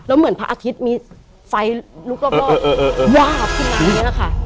แล้วเหมือนพระอาทิตย์มีไฟลุกรอบวาบขึ้นมาอย่างนี้แหละค่ะ